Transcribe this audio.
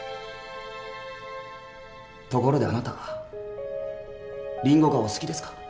ところであなたリンゴがお好きですか？